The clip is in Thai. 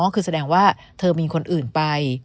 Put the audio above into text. คือแสดงว่าเธอมีคนอื่นไป